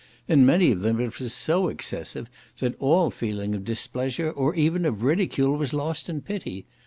In many of them it was so excessive, that all feeling of displeasure, or even of ridicule, was lost in pity.